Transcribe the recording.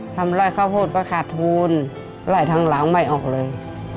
ทำร้ายข้าวโพดก็ขาดทุนไล่ทางหลังไม่ออกเลย